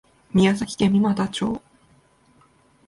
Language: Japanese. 宮崎県三股町